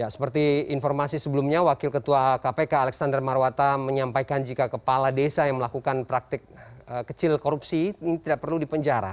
seperti informasi sebelumnya wakil ketua kpk alexander marwata menyampaikan jika kepala desa yang melakukan praktik kecil korupsi ini tidak perlu dipenjara